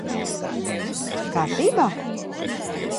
Kārtībā?